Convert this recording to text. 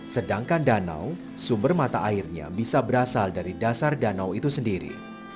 sedangkan danau sumber mata airnya bisa berasal dari dasar danau itu sendiri